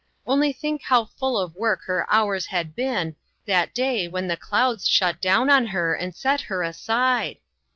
Only think how full of work her hours had been, that day when the clouds shut down on her and set her aside